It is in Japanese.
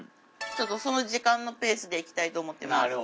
ちょっとその時間のペースでいきたいと思ってます。